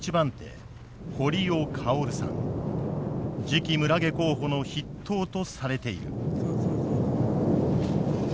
次期村下候補の筆頭とされている。